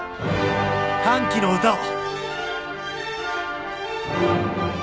歓喜の歌を！